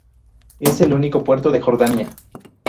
Es el único puerto de Jordania.